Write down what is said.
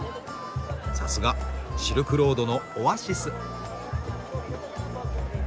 さすがシルクロードのオアシス！